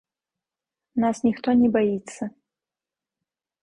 Нас ніхто не баіцца.